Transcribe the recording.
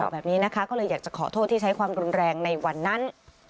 แบบนี้นะคะก็เลยอยากจะขอโทษที่ใช้ความรุนแรงในวันนั้น